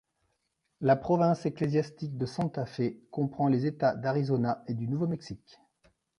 La Province ecclésiastique de Santa Fe comprend les États d'Arizona et du Nouveau-Mexique.